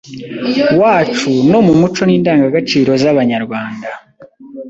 wacu no mu muco n’indangagaciro z’Abanyarwanda,